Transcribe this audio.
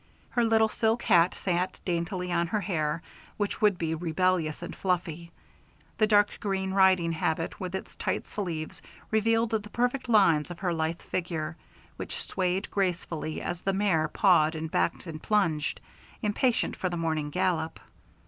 Her little silk hat sat daintily on her hair, which would be rebellious and fluffy; the dark green riding habit with its tight sleeves revealed the perfect lines of her lithe figure, which swayed gracefully as the mare pawed and backed and plunged, impatient for the morning gallop.